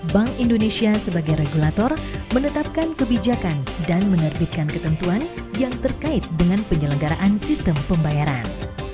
bank indonesia sebagai regulator menetapkan kebijakan dan menerbitkan ketentuan yang terkait dengan penyelenggaraan sistem pembayaran